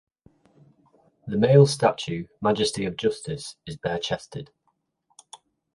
The male statue, "Majesty of Justice," is bare-chested.